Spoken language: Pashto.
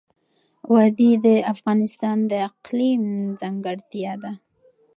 وادي د افغانستان د اقلیم ځانګړتیا ده.